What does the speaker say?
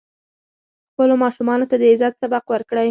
خپلو ماشومانو ته د عزت سبق ورکړئ.